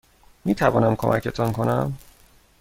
میتوانم کمکتان کنم؟